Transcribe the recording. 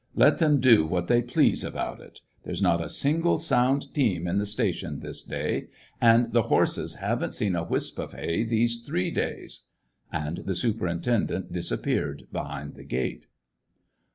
Let them do what they please about it ! There's not a single sound team in the station this day, and the horses haven't seen a wisp of hay these three days." And the superintendent disappeared behind the gate.